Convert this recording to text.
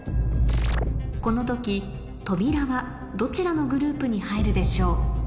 この時「とびら」はどちらのグループに入るでしょう？